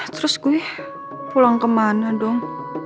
terus gue pulang kemana dong